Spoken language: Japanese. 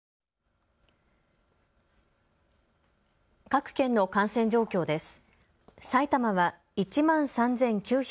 各県の感染状況です。